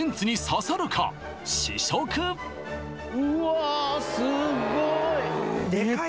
試食うわすごい！